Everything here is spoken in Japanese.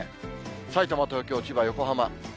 さいたま、東京、千葉、横浜。